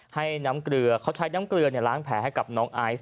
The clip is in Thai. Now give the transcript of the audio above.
ให้น้ำเกลือเขาใช้น้ำเกลือล้างแผลให้กับน้องไอซ์